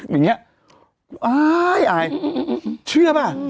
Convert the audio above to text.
บ๊วยยยยยเชื่อะป่ะ